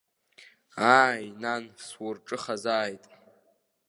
Ааи, нан, сурҿыхазааит.